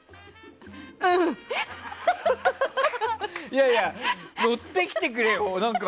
いやいや乗ってきてくれよ。